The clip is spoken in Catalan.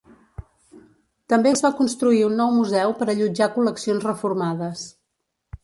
També es va construir un nou museu per allotjar col·leccions reformades.